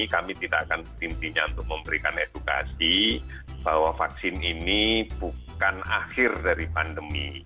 kami tidak akan intinya untuk memberikan edukasi bahwa vaksin ini bukan akhir dari pandemi